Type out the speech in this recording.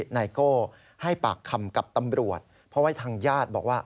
นายโก้ให้ปากคำกับตำรวจเพราะว่าทางญาติบอกว่า